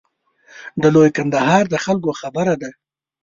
د لوی کندهار د خلکو خبره ده.